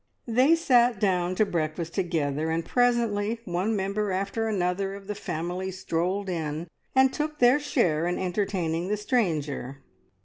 They sat down to breakfast together, and presently one member after another of the family strolled in, and took their share in entertaining the stranger.